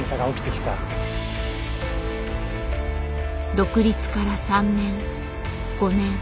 独立から３年５年。